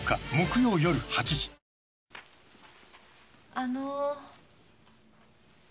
あの。